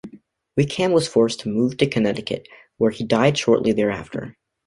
Wickham was forced to move to Connecticut, where he died shortly thereafter.